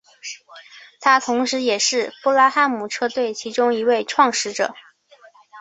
他同时也是布拉汉姆车队其中一位创始者。